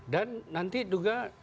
dan nanti juga